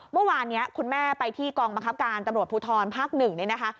เมื่อวานนี้คุณแม่ไปที่กองบังคับการตำรวจภูทรภาค๑นี่นะคะ